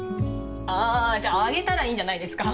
あじゃああげたらいいんじゃないですか。